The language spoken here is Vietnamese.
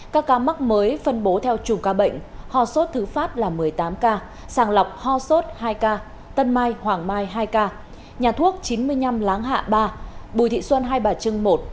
các ca mắc mới phân bố theo chùm ca bệnh ho sốt thứ phát là một mươi tám ca sàng lọc ho sốt hai ca tân mai hoàng mai hai ca nhà thuốc chín mươi năm láng hạ ba bùi thị xuân hai bà trưng một